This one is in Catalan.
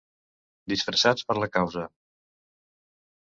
Disfressats per la causa.